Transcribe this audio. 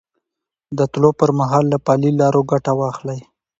د تلو پر مهال له پلي لارو ګټه واخلئ.